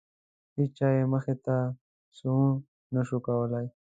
هیچا یې مخې ته سوڼ نه شو کولی.